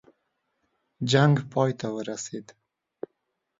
جنګ پای ته ورسېدی.